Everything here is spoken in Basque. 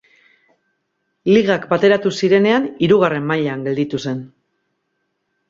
Ligak bateratu zirenean hirugarren mailan gelditu zen.